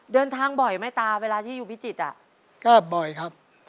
เดินทางบ่อยไหมตาเวลาที่อยู่พิจิตรอ่ะก็บ่อยครับ